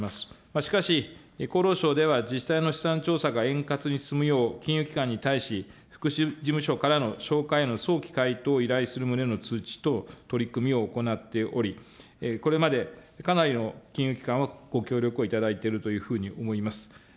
しかし、厚労省では自治体のしさん調査が円滑に進むよう、金融機関に対し、福祉事務所からのしょうかいへの早期回答を依頼する旨の通知と、取り組みを行っており、これまでかなりの金融機関をご協力をいただいているというふうに思います。